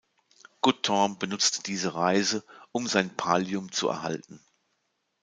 Guttorm benutzte diese Reise, um sein Pallium zu erhalten.